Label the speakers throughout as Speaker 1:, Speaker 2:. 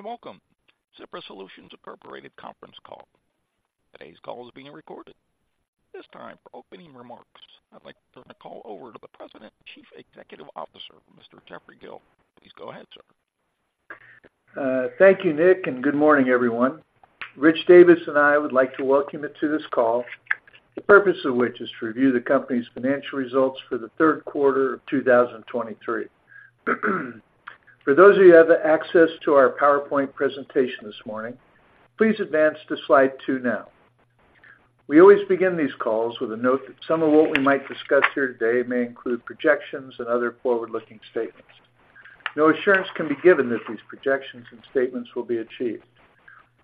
Speaker 1: Good day, and welcome. Sypris Solutions, Inc. conference call. Today's call is being recorded. At this time, for opening remarks, I'd like to turn the call over to the President and Chief Executive Officer, Mr. Jeffrey Gill. Please go ahead, sir.
Speaker 2: Thank you, Nick, and good morning, everyone. Rich Davis and I would like to welcome you to this call, the purpose of which is to review the company's financial results for the third quarter of 2023. For those of you who have access to our PowerPoint presentation this morning, please advance to slide 2 now. We always begin these calls with a note that some of what we might discuss here today may include projections and other forward-looking statements. No assurance can be given that these projections and statements will be achieved,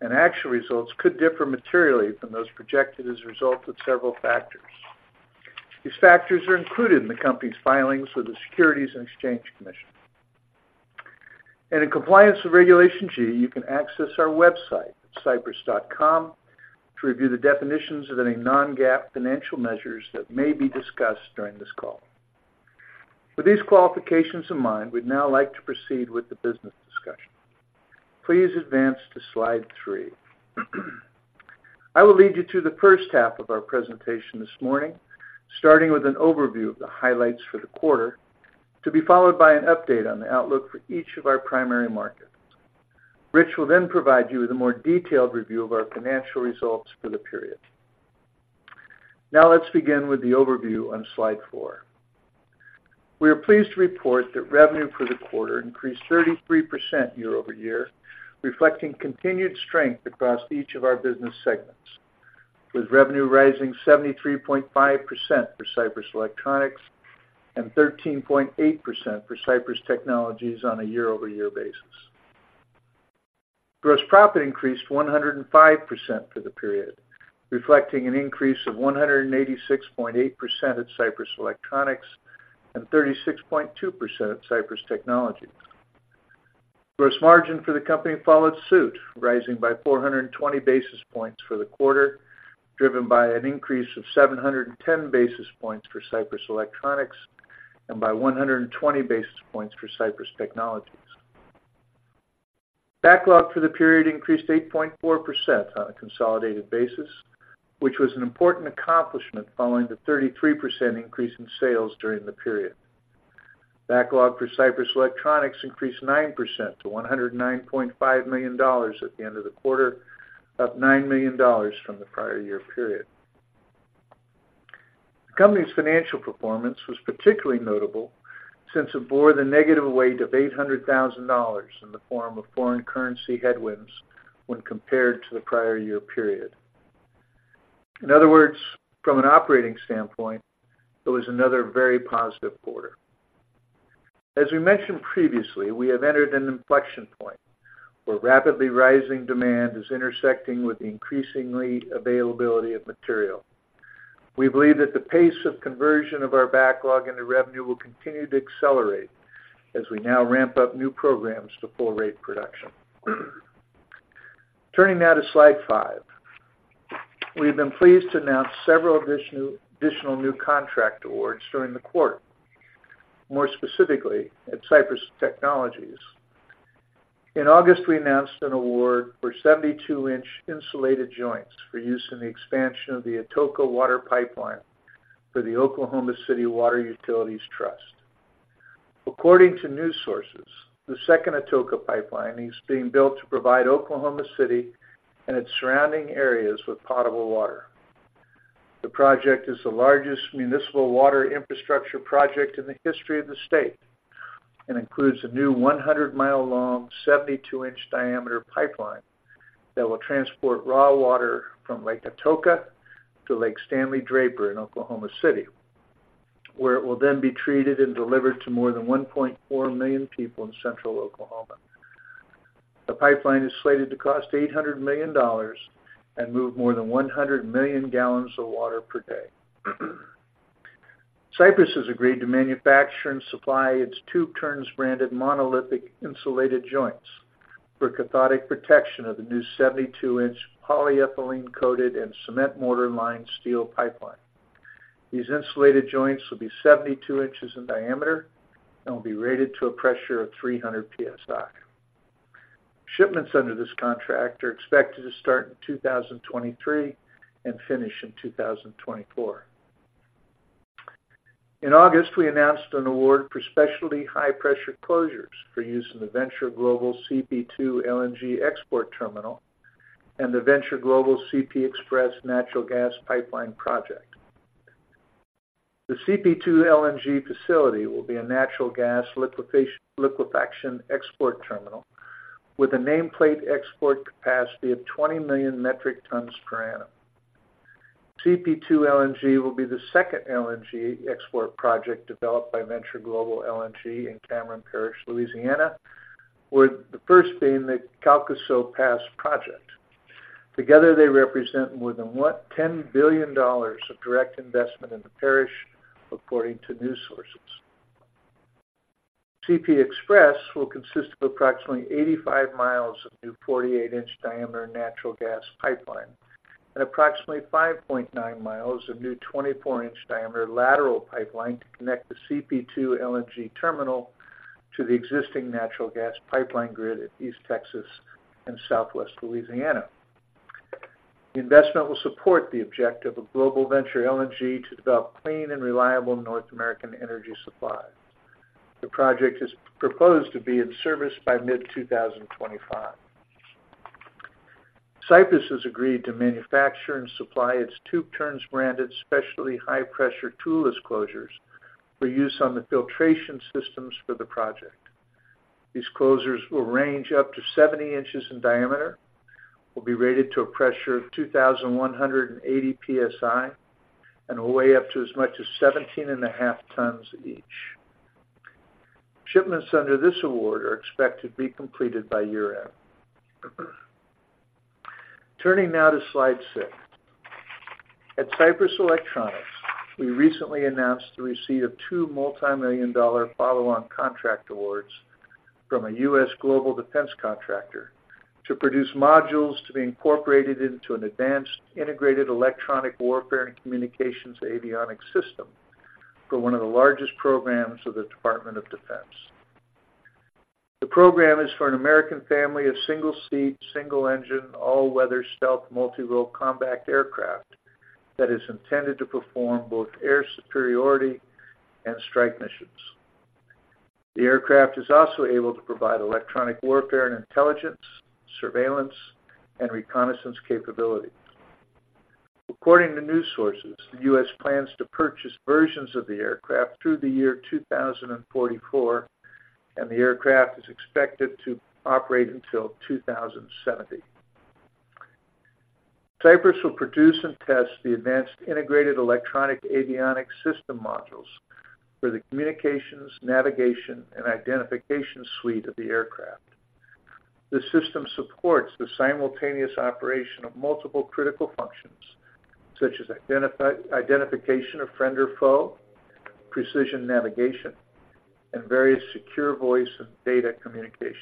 Speaker 2: and actual results could differ materially from those projected as a result of several factors. These factors are included in the company's filings with the Securities and Exchange Commission. In compliance with Regulation G, you can access our website, Sypris.com, to review the definitions of any non-GAAP financial measures that may be discussed during this call. With these qualifications in mind, we'd now like to proceed with the business discussion. Please advance to slide 3. I will lead you to the first half of our presentation this morning, starting with an overview of the highlights for the quarter, to be followed by an update on the outlook for each of our primary markets. Rich will then provide you with a more detailed review of our financial results for the period. Now, let's begin with the overview on slide 4. We are pleased to report that revenue for the quarter increased 33% year over year, reflecting continued strength across each of our business segments, with revenue rising 73.5% for Sypris Electronics and 13.8% for Sypris Technologies on a year-over-year basis. Gross profit increased 105% for the period, reflecting an increase of 186.8% at Sypris Electronics and 36.2% at Sypris Technologies. Gross margin for the company followed suit, rising by 420 basis points for the quarter, driven by an increase of 710 basis points for Sypris Electronics and by 120 basis points for Sypris Technologies. Backlog for the period increased 8.4% on a consolidated basis, which was an important accomplishment following the 33% increase in sales during the period. Backlog for Sypris Electronics increased 9% to $109.5 million at the end of the quarter, up $9 million from the prior year period. The company's financial performance was particularly notable since it bore the negative weight of $800,000 in the form of foreign currency headwinds when compared to the prior year period. In other words, from an operating standpoint, it was another very positive quarter. As we mentioned previously, we have entered an inflection point where rapidly rising demand is intersecting with the increasing availability of material. We believe that the pace of conversion of our backlog into revenue will continue to accelerate as we now ramp up new programs to full rate production. Turning now to slide 5. We've been pleased to announce several additional new contract awards during the quarter, more specifically at Sypris Technologies. In August, we announced an award for 72-inch insulated joints for use in the expansion of the Atoka Water Pipeline for the Oklahoma City Water Utilities Trust. According to news sources, the second Atoka pipeline is being built to provide Oklahoma City and its surrounding areas with potable water. The project is the largest municipal water infrastructure project in the history of the state and includes a new 100-mile-long, 72-inch-diameter pipeline that will transport raw water from Lake Atoka to Lake Stanley Draper in Oklahoma City, where it will then be treated and delivered to more than 1.4 million people in central Oklahoma. The pipeline is slated to cost $800 million and move more than 100 million gallons of water per day. Sypris has agreed to manufacture and supply its Tube Turns branded monolithic insulated joints for cathodic protection of the new 72-inch polyethylene-coated and cement mortar lined steel pipeline. These insulated joints will be 72 inches in diameter and will be rated to a pressure of 300 PSI. Shipments under this contract are expected to start in 2023 and finish in 2024. In August, we announced an award for specialty high-pressure closures for use in the Venture Global CP2 LNG export terminal and the Venture Global CP Express Natural Gas Pipeline Project. The CP2 LNG facility will be a natural gas liquefaction export terminal with a nameplate export capacity of 20 million metric tons per annum. CP2 LNG will be the second LNG export project developed by Venture Global LNG in Cameron Parish, Louisiana, with the first being the Calcasieu Pass project. Together, they represent more than $10 billion of direct investment in the parish, according to news sources. CP Express will consist of approximately 85 miles of new 48-inch diameter natural gas pipeline and approximately 5.9 miles of new 24-inch diameter lateral pipeline to connect the CP2 LNG terminal to the existing natural gas pipeline grid at East Texas and Southwest Louisiana. The investment will support the objective of Venture Global LNG to develop clean and reliable North American energy supply. The project is proposed to be in service by mid-2025. Sypris has agreed to manufacture and supply its Tube Turns branded, special high-pressure toolless closures for use on the filtration systems for the project. These closures will range up to 70 inches in diameter, will be rated to a pressure of 2,180 PSI, and will weigh up to as much as 17.5 tons each. Shipments under this award are expected to be completed by year-end. Turning now to slide 6. At Sypris Electronics, we recently announced the receipt of two multimillion-dollar follow-on contract awards from a U.S. global defense contractor to produce modules to be incorporated into an advanced integrated electronic warfare and communications avionics system for one of the largest programs of the Department of Defense. The program is for an American family of single-seat, single-engine, all-weather, stealth, multi-role combat aircraft that is intended to perform both air superiority and strike missions. The aircraft is also able to provide electronic warfare and intelligence, surveillance, and reconnaissance capabilities. According to news sources, the U.S. plans to purchase versions of the aircraft through the year 2044, and the aircraft is expected to operate until 2070. Sypris will produce and test the advanced integrated electronic avionics system modules for the communications, navigation, and identification suite of the aircraft. The system supports the simultaneous operation of multiple critical functions, such as identification of friend or foe, precision navigation, and various secure voice and data communications.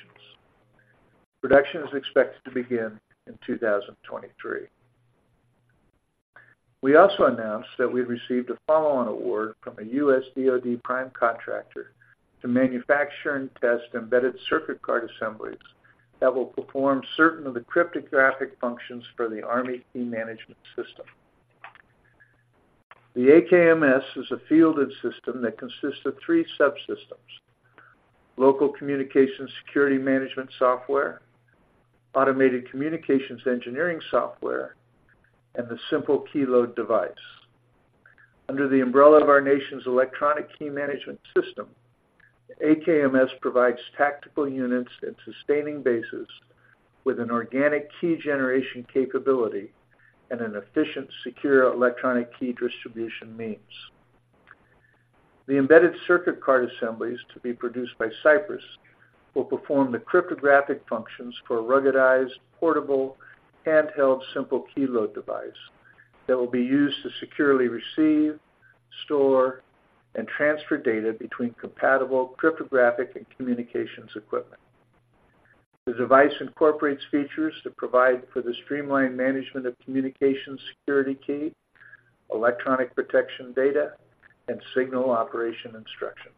Speaker 2: Production is expected to begin in 2023. We also announced that we've received a follow-on award from a U.S. DoD prime contractor to manufacture and test embedded circuit card assemblies that will perform certain of the cryptographic functions for the Army Key Management System. The AKMS is a fielded system that consists of three subsystems: Local Communication Security Management Software, Automated Communications Engineering Software, and the simple key load device. Under the umbrella of our nation's Electronic Key Management System, the AKMS provides tactical units and sustaining bases with an organic key generation capability and an efficient, secure electronic key distribution means. The embedded circuit card assemblies, to be produced by Sypris, will perform the cryptographic functions for a ruggedized, portable, handheld, simple key load device that will be used to securely receive, store, and transfer data between compatible cryptographic and communications equipment. The device incorporates features to provide for the streamlined management of communication security key, electronic protection data, and signal operation instructions.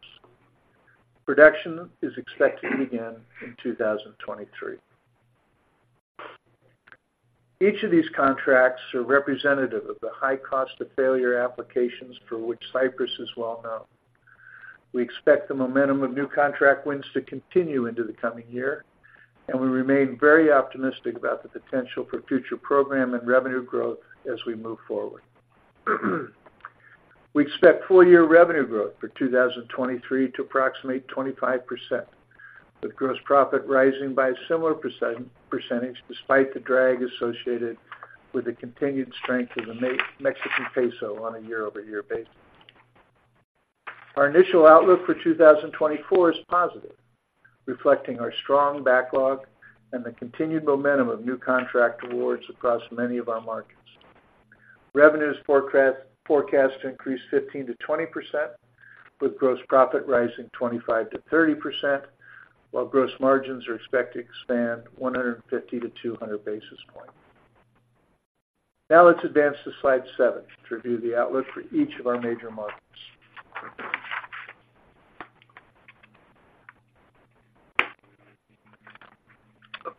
Speaker 2: Production is expected to begin in 2023. Each of these contracts is representative of the high cost of failure applications for which Sypris is well known. We expect the momentum of new contract wins to continue into the coming year, and we remain very optimistic about the potential for future program and revenue growth as we move forward. We expect full-year revenue growth for 2023 to approximate 25%, with gross profit rising by a similar percentage, despite the drag associated with the continued strength of the Mexican peso on a year-over-year basis. Our initial outlook for 2024 is positive, reflecting our strong backlog and the continued momentum of new contract awards across many of our markets. Revenues are forecast to increase 15%-20%, with gross profit rising 25%-30%, while gross margins are expected to expand 150-200 basis points. Now, let's advance to slide seven to review the outlook for each of our major markets.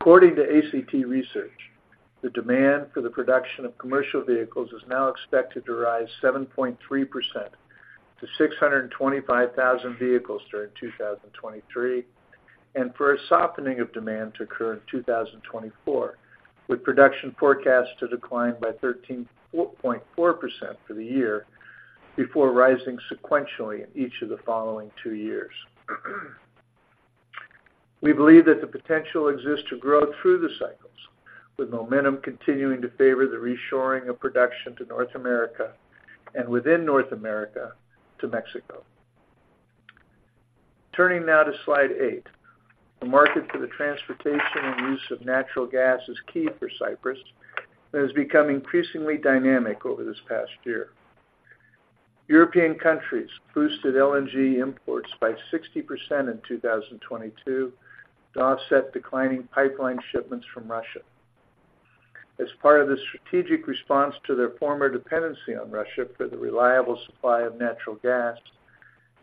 Speaker 2: According to ACT Research, the demand for the production of commercial vehicles is now expected to rise 7.3% to 625,000 vehicles during 2023, and for a softening of demand to occur in 2024, with production forecast to decline by 13.4% for the year before rising sequentially in each of the following two years. We believe that the potential exists to grow through the cycles, with momentum continuing to favor the reshoring of production to North America and within North America to Mexico. Turning now to slide 8. The market for the transportation and use of natural gas is key for Sypris and has become increasingly dynamic over this past year.... European countries boosted LNG imports by 60% in 2022 to offset declining pipeline shipments from Russia. As part of the strategic response to their former dependency on Russia for the reliable supply of natural gas,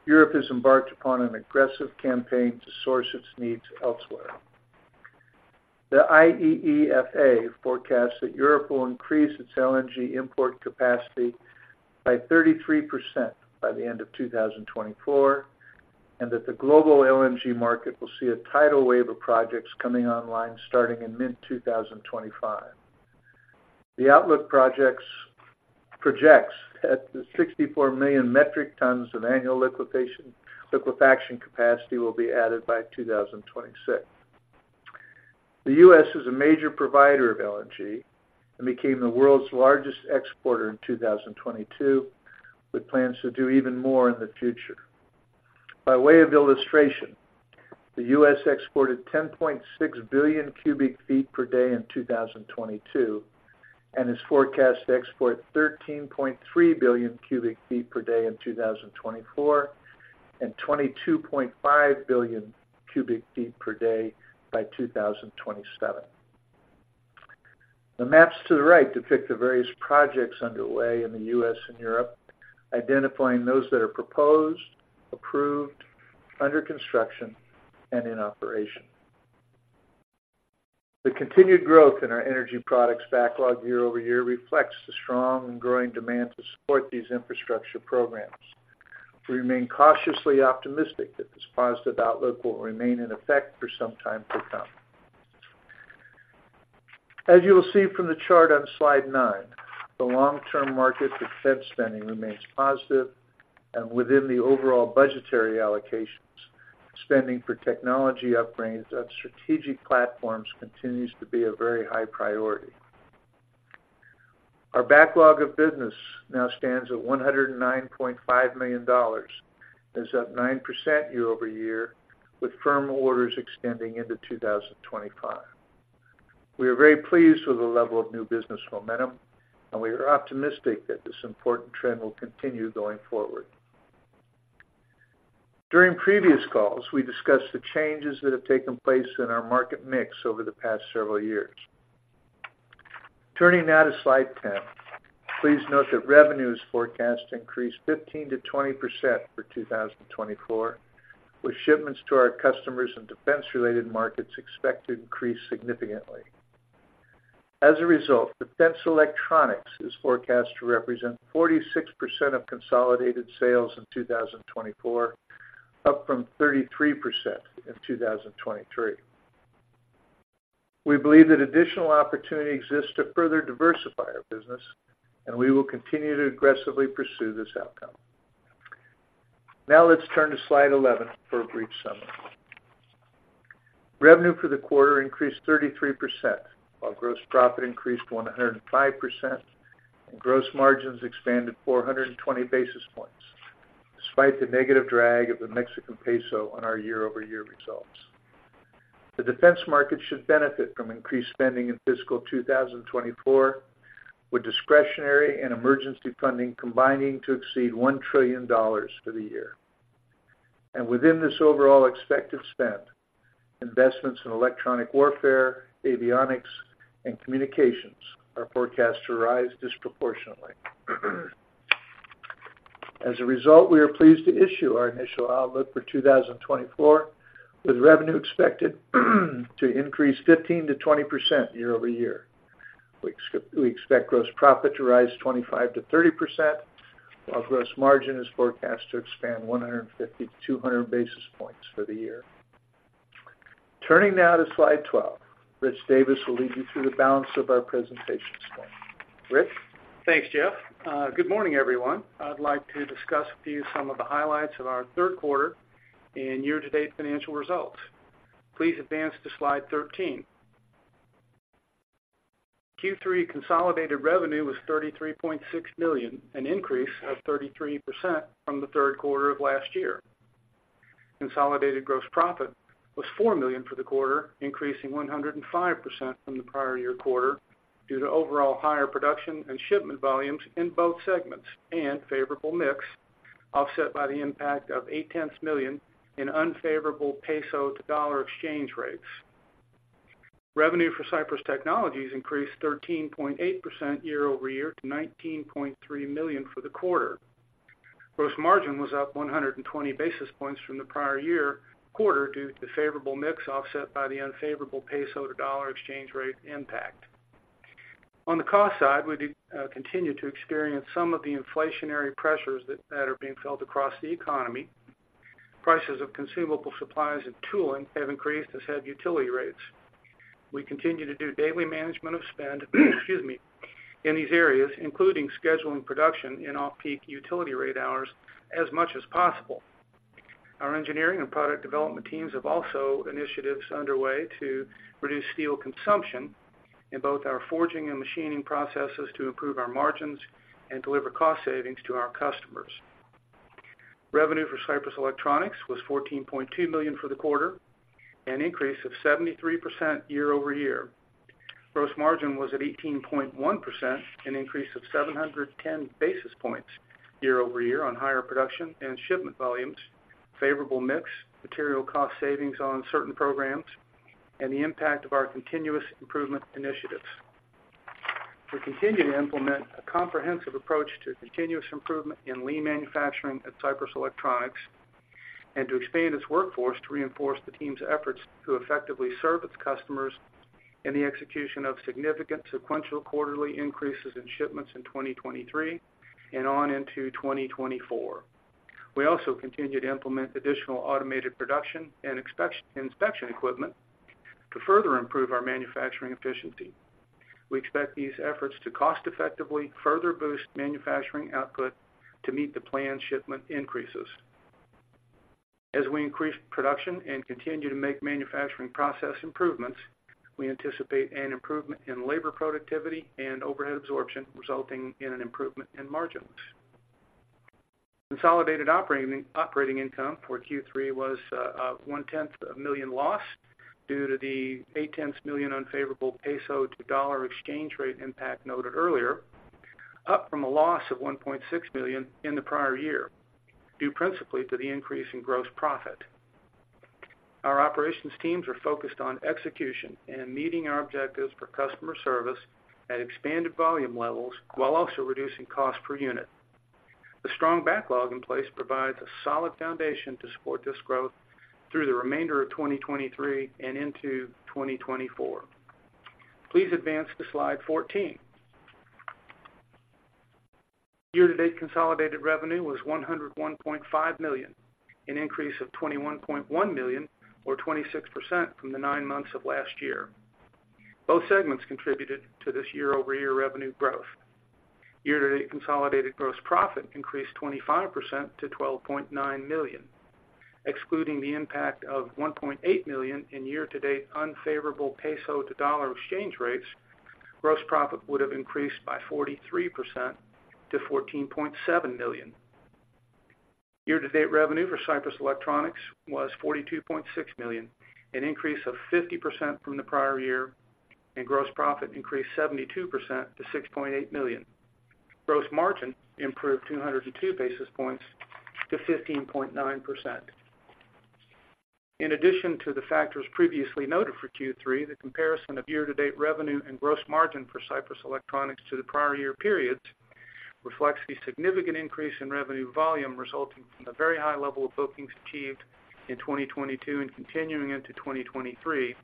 Speaker 2: Europe has embarked upon an aggressive campaign to source its needs elsewhere. The IEEFA forecasts that Europe will increase its LNG import capacity by 33% by the end of 2024, and that the global LNG market will see a tidal wave of projects coming online starting in mid-2025. The outlook projects that the 64 million metric tons of annual liquefaction capacity will be added by 2026. The U.S. is a major provider of LNG and became the world's largest exporter in 2022, with plans to do even more in the future. By way of illustration, the U.S. exported 10.6 billion cubic feet per day in 2022, and is forecast to export 13.3 billion cubic feet per day in 2024, and 22.5 billion cubic feet per day by 2027. The maps to the right depict the various projects underway in the U.S. and Europe, identifying those that are proposed, approved, under construction, and in operation. The continued growth in our energy products backlog year-over-year reflects the strong and growing demand to support these infrastructure programs. We remain cautiously optimistic that this positive outlook will remain in effect for some time to come. As you will see from the chart on slide 9, the long-term market for Federal spending remains positive, and within the overall budgetary allocations, spending for technology upgrades on strategic platforms continues to be a very high priority. Our backlog of business now stands at $109.5 million, and is up 9% year-over-year, with firm orders extending into 2025. We are very pleased with the level of new business momentum, and we are optimistic that this important trend will continue going forward. During previous calls, we discussed the changes that have taken place in our market mix over the past several years. Turning now to slide 10, please note that revenue is forecast to increase 15%-20% for 2024, with shipments to our customers in defense-related markets expected to increase significantly. As a result, defense electronics is forecast to represent 46% of consolidated sales in 2024, up from 33% in 2023. We believe that additional opportunity exists to further diversify our business, and we will continue to aggressively pursue this outcome. Now, let's turn to slide 11 for a brief summary. Revenue for the quarter increased 33%, while gross profit increased 105%, and gross margins expanded 420 basis points, despite the negative drag of the Mexican peso on our year-over-year results. The defense market should benefit from increased spending in fiscal 2024, with discretionary and emergency funding combining to exceed $1 trillion for the year. Within this overall expected spend, investments in electronic warfare, avionics, and communications are forecast to rise disproportionately. As a result, we are pleased to issue our initial outlook for 2024, with revenue expected to increase 15%-20% year-over-year. We expect gross profit to rise 25%-30%, while gross margin is forecast to expand 150-200 basis points for the year. Turning now to slide 12, Rich Davis will lead you through the balance of our presentation today. Rich?
Speaker 3: Thanks, Jeff. Good morning, everyone. I'd like to discuss with you some of the highlights of our third quarter and year-to-date financial results. Please advance to slide 13. Q3 consolidated revenue was $33.6 million, an increase of 33% from the third quarter of last year. Consolidated gross profit was $4 million for the quarter, increasing 105% from the prior year quarter, due to overall higher production and shipment volumes in both segments, and favorable mix, offset by the impact of $0.8 million in unfavorable peso-to-dollar exchange rates. Revenue for Sypris Technologies increased 13.8% year-over-year to $19.3 million for the quarter. Gross margin was up 120 basis points from the prior year quarter, due to the favorable mix, offset by the unfavorable peso-to-dollar exchange rate impact. On the cost side, we do continue to experience some of the inflationary pressures that are being felt across the economy. Prices of consumable supplies and tooling have increased, as have utility rates. We continue to do daily management of spend, excuse me, in these areas, including scheduling production in off-peak utility rate hours as much as possible. Our engineering and product development teams have also initiatives underway to reduce steel consumption in both our forging and machining processes, to improve our margins and deliver cost savings to our customers. Revenue for Sypris Electronics was $14.2 million for the quarter, an increase of 73% year-over-year. Gross margin was at 18.1%, an increase of 710 basis points year over year on higher production and shipment volumes, favorable mix, material cost savings on certain programs, and the impact of our continuous improvement initiatives. We continue to implement a comprehensive approach to continuous improvement in lean manufacturing at Sypris Electronics and to expand its workforce to reinforce the team's efforts to effectively serve its customers in the execution of significant sequential quarterly increases in shipments in 2023 and on into 2024. We also continue to implement additional automated production and inspection equipment to further improve our manufacturing efficiency. We expect these efforts to cost effectively further boost manufacturing output to meet the planned shipment increases. As we increase production and continue to make manufacturing process improvements, we anticipate an improvement in labor productivity and overhead absorption, resulting in an improvement in margins. Consolidated operating income for Q3 was $0.1 million loss due to the $0.8 million unfavorable peso-to-dollar exchange rate impact noted earlier, up from a loss of $1.6 million in the prior year, due principally to the increase in gross profit. Our operations teams are focused on execution and meeting our objectives for customer service at expanded volume levels, while also reducing cost per unit. The strong backlog in place provides a solid foundation to support this growth through the remainder of 2023 and into 2024. Please advance to slide 14. Year-to-date consolidated revenue was $101.5 million, an increase of $21.1 million, or 26% from the nine months of last year. Both segments contributed to this year-over-year revenue growth. Year-to-date consolidated gross profit increased 25% to $12.9 million. Excluding the impact of $1.8 million in year-to-date unfavorable peso-to-dollar exchange rates, gross profit would have increased by 43% to $14.7 million. Year-to-date revenue for Sypris Electronics was $42.6 million, an increase of 50% from the prior year, and gross profit increased 72% to $6.8 million. Gross margin improved 202 basis points to 15.9%. In addition to the factors previously noted for Q3, the comparison of year-to-date revenue and gross margin for Sypris Electronics to the prior year periods reflects the significant increase in revenue volume, resulting from the very high level of bookings achieved in 2022 and continuing into 2023,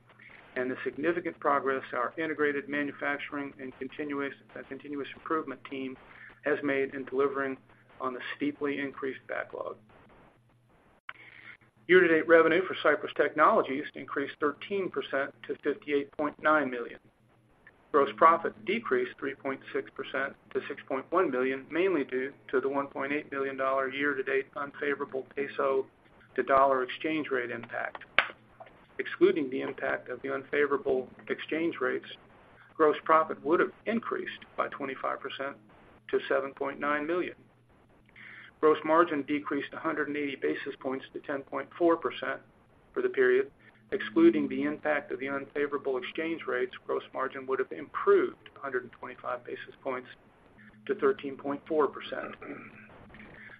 Speaker 3: and the significant progress our integrated manufacturing and continuous improvement team has made in delivering on the steeply increased backlog. Year-to-date revenue for Sypris Technologies increased 13% to $58.9 million. Gross profit decreased 3.6% to $6.1 million, mainly due to the $1.8 million year-to-date unfavorable peso-to-dollar exchange rate impact. Excluding the impact of the unfavorable exchange rates, gross profit would have increased by 25% to $7.9 million. Gross margin decreased 180 basis points to 10.4% for the period. Excluding the impact of the unfavorable exchange rates, gross margin would have improved 125 basis points to 13.4%.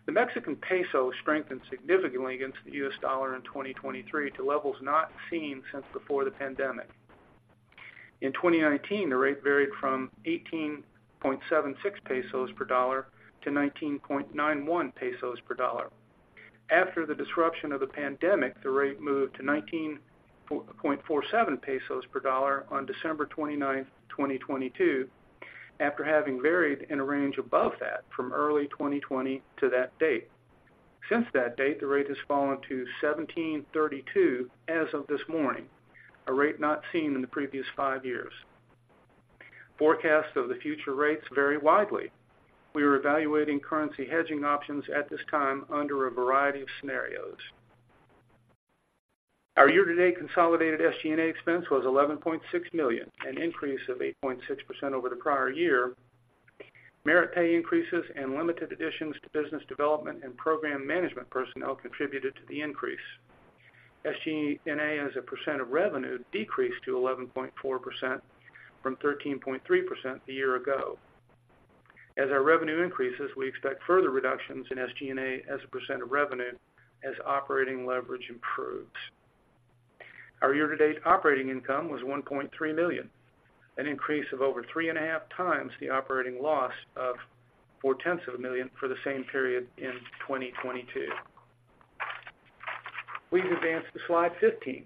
Speaker 3: The Mexican peso strengthened significantly against the U.S. dollar in 2023 to levels not seen since before the pandemic. In 2019, the rate varied from 18.76 pesos per dollar to 19.91 pesos per dollar. After the disruption of the pandemic, the rate moved to 19.47 pesos per dollar on December 29th, 2022, after having varied in a range above that from early 2020 to that date. Since that date, the rate has fallen to 17.32 as of this morning, a rate not seen in the previous five years. Forecasts of the future rates vary widely. We are evaluating currency hedging options at this time under a variety of scenarios. Our year-to-date consolidated SG&A expense was $11.6 million, an increase of 8.6% over the prior year. Merit pay increases and limited additions to business development and program management personnel contributed to the increase. SG&A, as a percent of revenue, decreased to 11.4% from 13.3% a year ago. As our revenue increases, we expect further reductions in SG&A as a percent of revenue, as operating leverage improves. Our year-to-date operating income was $1.3 million, an increase of over 3.5 times the operating loss of $0.4 million for the same period in 2022. Please advance to slide 15.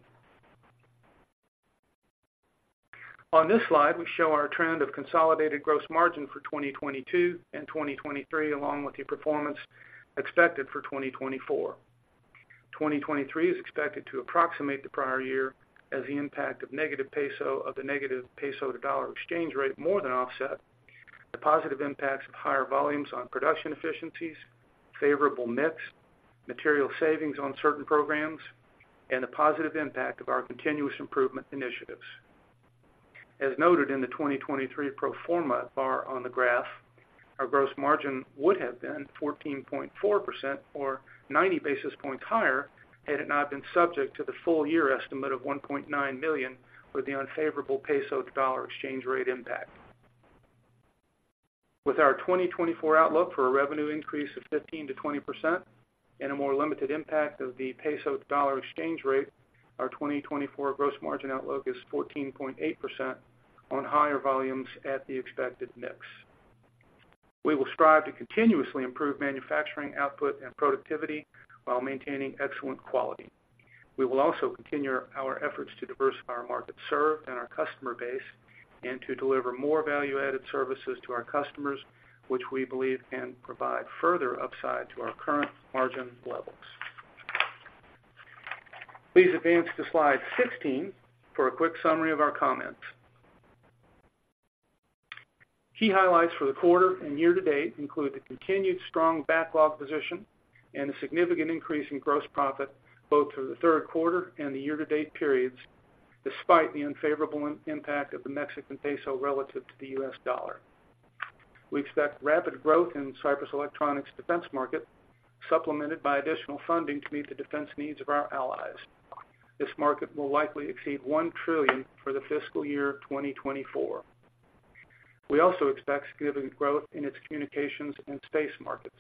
Speaker 3: On this slide, we show our trend of consolidated gross margin for 2022 and 2023, along with the performance expected for 2024. 2023 is expected to approximate the prior year as the impact of negative peso, of the negative peso-to-dollar exchange rate more than offset the positive impacts of higher volumes on production efficiencies, favorable mix, material savings on certain programs, and the positive impact of our continuous improvement initiatives. As noted in the 2023 pro forma bar on the graph, our gross margin would have been 14.4% or 90 basis points higher, had it not been subject to the full year estimate of $1.9 million with the unfavorable peso-to-dollar exchange rate impact. With our 2024 outlook for a revenue increase of 15%-20% and a more limited impact of the peso-to-dollar exchange rate, our 2024 gross margin outlook is 14.8% on higher volumes at the expected mix. We will strive to continuously improve manufacturing output and productivity while maintaining excellent quality. We will also continue our efforts to diversify our market served and our customer base, and to deliver more value-added services to our customers, which we believe can provide further upside to our current margin levels. Please advance to slide 16 for a quick summary of our comments. Key highlights for the quarter and year to date include the continued strong backlog position and a significant increase in gross profit, both for the third quarter and the year to date periods, despite the unfavorable impact of the Mexican peso relative to the U.S. dollar. We expect rapid growth in Sypris Electronics' defense market, supplemented by additional funding to meet the defense needs of our allies. This market will likely exceed $1 trillion for the fiscal year 2024. We also expect significant growth in its communications and space markets.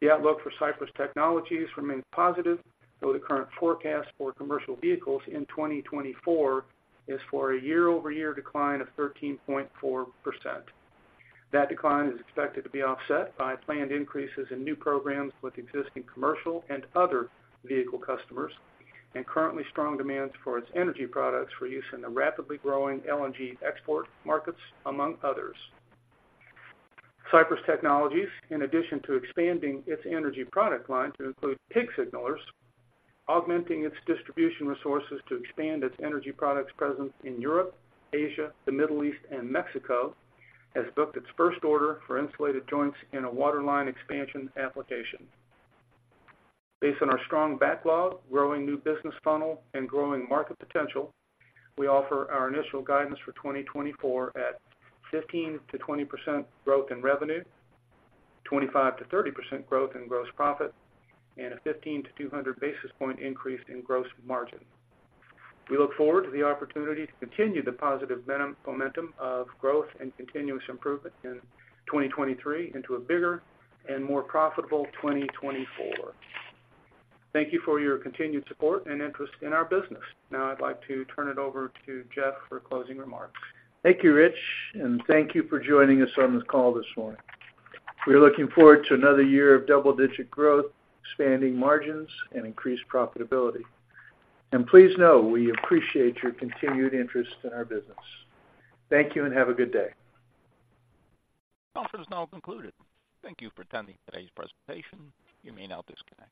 Speaker 3: The outlook for Sypris Technologies remains positive, though the current forecast for commercial vehicles in 2024 is for a year-over-year decline of 13.4%. That decline is expected to be offset by planned increases in new programs with existing commercial and other vehicle customers, and currently strong demand for its energy products for use in the rapidly growing LNG export markets, among others. Sypris Technologies, in addition to expanding its energy product line to include pig signalers, augmenting its distribution resources to expand its energy products presence in Europe, Asia, the Middle East and Mexico, has booked its first order for insulated joints in a waterline expansion application. Based on our strong backlog, growing new business funnel, and growing market potential, we offer our initial guidance for 2024 at 15%-20% growth in revenue, 25%-30% growth in gross profit, and a 150 to 200 basis point increase in gross margin. We look forward to the opportunity to continue the positive momentum of growth and continuous improvement in 2023 into a bigger and more profitable 2024. Thank you for your continued support and interest in our business. Now I'd like to turn it over to Jeff for closing remarks.
Speaker 2: Thank you, Rich, and thank you for joining us on this call this morning. We are looking forward to another year of double-digit growth, expanding margins and increased profitability. Please know we appreciate your continued interest in our business. Thank you, and have a good day.
Speaker 1: Conference is now concluded. Thank you for attending today's presentation. You may now disconnect.